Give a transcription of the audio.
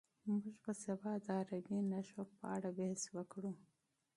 موږ به سبا د عربي نښو په اړه بحث وکړو.